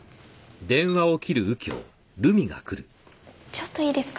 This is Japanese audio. ちょっといいですか？